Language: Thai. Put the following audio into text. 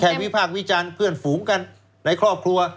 วิพากษ์วิจารณ์เพื่อนฝูงกันในครอบครัว